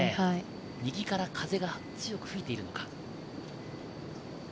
右から風が強く吹いているのか？